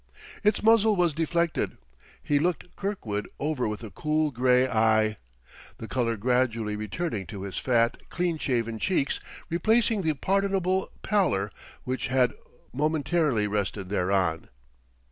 Its muzzle was deflected. He looked Kirkwood over with a cool gray eye, the color gradually returning to his fat, clean shaven cheeks, replacing the pardonable pallor which had momentarily rested thereon.